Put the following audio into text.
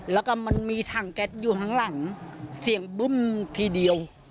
แล้วก็มันมีถังแก๊สอยู่ข้างหลังเสียงบึ้มทีเดียว